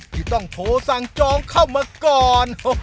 ที่ต้องโทรสั่งจองเข้ามาก่อน